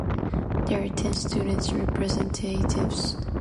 There are ten students representatives.